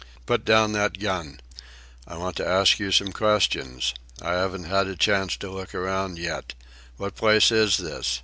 "Put down that gun. I want to ask you some questions. I haven't had a chance to look around yet. What place is this?